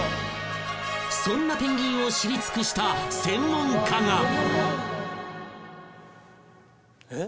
［そんなペンギンを知り尽くした専門家が］